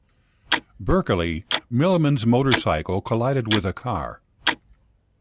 Berkeley, Millman's motorcycle collided with a car.